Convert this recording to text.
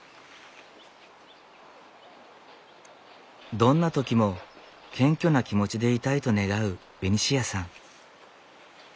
どんな時も謙虚な気持ちでいたいと願うベニシアさん。